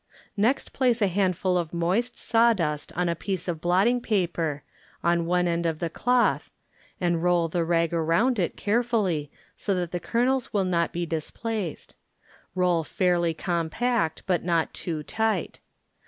Next place a handful of moist sawdust on a piece of blotting paper on one end of the cloth and roll the rag around it carefully so the kernels will not be dis placed ; roll fairly compact but not too tight.